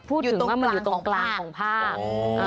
พูดถึงว่ามันอยู่ตรงกลางของภาค